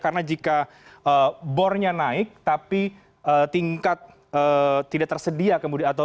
karena jika bornya naik tapi tingkat tidak tersedia